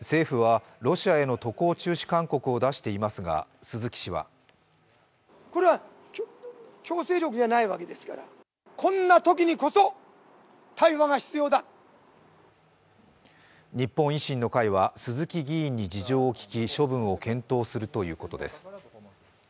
政府はロシアへの渡航中止勧告を出していますが、鈴木氏は日本維新の会は鈴木議員に事情を聞き処分を検討するということです。